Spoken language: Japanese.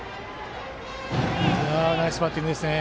ナイスバッティングですね。